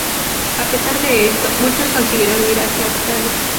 A pesar de esto, muchos consiguieron huir hacia Australia.